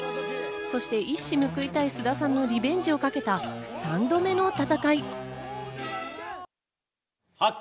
そして一矢報いたい菅田さんのリベンジをかけた３度目の戦い。